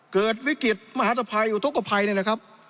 เกิดวิกฤตมหาธภัยอุทธกภัยเนี่ยนะครับ